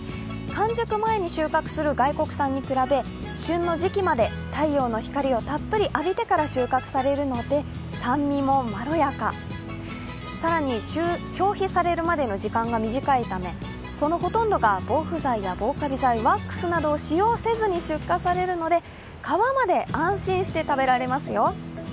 完熟前に収穫する外国産に比べ旬の時期まで太陽の光をたっぷり浴びてから収穫するので酸味もまろやか、更に消費されるまでの時間が短いためそのほとんどが、防腐剤や防かび剤、ワックスなどを使用せず出荷されるので皮まで安心して食べられますよ。